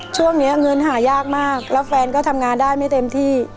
ช่วงนี้เงินหายากมากแล้วแฟนก็ทำงานได้ไม่เต็มที่